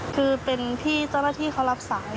คือเป็นที่เจ้าหน้าที่เขารับสาย